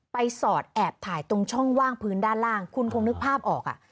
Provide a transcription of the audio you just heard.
สอดแอบถ่ายตรงช่องว่างพื้นด้านล่างคุณคงนึกภาพออกอ่ะ